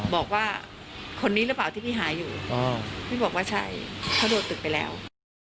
บอกว่าคนนี้หรือเปล่าที่พี่หาอยู่พี่บอกว่าใช่เขาโดนตึกไปแล้ว